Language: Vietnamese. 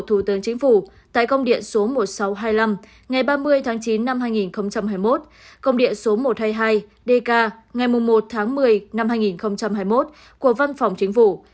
thủ tướng chính phủ tại công điện số một nghìn sáu trăm hai mươi năm ngày ba mươi tháng chín năm hai nghìn hai mươi một công điện số một trăm hai mươi hai dk ngày một tháng một mươi năm hai nghìn hai mươi một của văn phòng chính phủ